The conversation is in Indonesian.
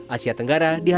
asia tenggara diharapkan